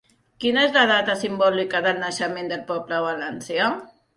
Quina és la data simbòlica del naixement del poble valencià?